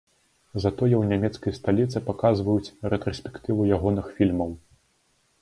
Затое ў нямецкай сталіцы паказваюць рэтраспектыву ягоных фільмаў.